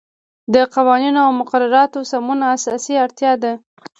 د قوانینو او مقرراتو سمون اساسی اړتیا ده.